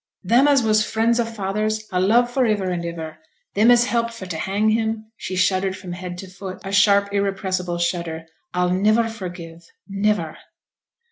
Then as was friends o' father's I'll love for iver and iver; them as helped for t' hang him' (she shuddered from head to foot a sharp irrepressible shudder!) 'I'll niver forgive niver!'